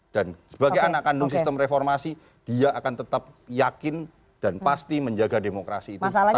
dan sebagai anak kandung sistem reformasi dia akan tetap yakin dan pasti menjaga demokrasi itu tanpa dipercaya